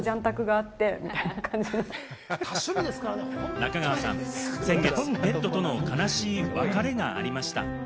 中川さん、先月ペットとの悲しい別れがありました。